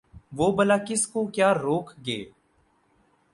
وہ بلا کس کو کیا روک گے